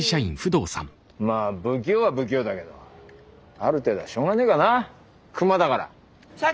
まあ不器用は不器用だけどある程度はしょうがねえかな熊だから。